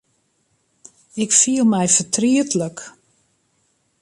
Ik fiel my fertrietlik.